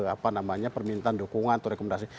apa namanya permintaan dukungan atau rekomendasi